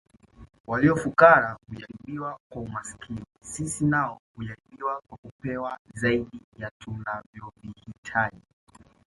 Walio fukara hujaribiwa kwa umaskini sisi nao hujaribiwa kwa kupewa zaidi ya tunavyovihitaji